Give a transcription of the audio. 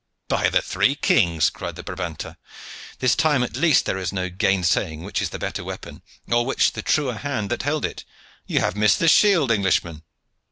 "By the three kings!" cried the Brabanter, "this time at least there is no gainsaying which is the better weapon, or which the truer hand that held it. You have missed the shield, Englishman."